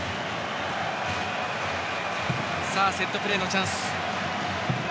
セットプレーのチャンス。